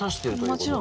もちろん。